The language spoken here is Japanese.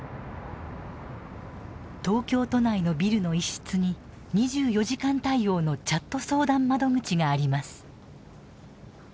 東京都内のビルの一室に２４時間対応のチャット相談窓口があります。